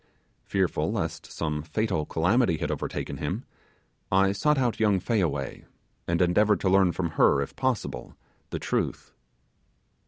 Fearful lest some fatal calamity had overtaken him, I sought out young Fayaway, and endeavoured to learn from her, if possible, the truth.